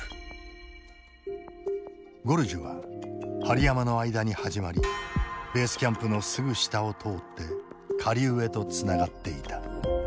ゴルジュは針山の間に始まりベースキャンプのすぐ下を通って下流へとつながっていた。